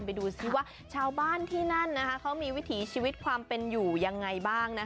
ไปดูซิว่าชาวบ้านที่นั่นเขามีวิถีชีวิตความเป็นอยู่ยังไงบ้าง